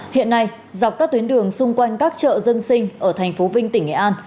hiện nay dọc các tuyến đường xung quanh các chợ dân sinh ở thành phố vinh tỉnh nghệ an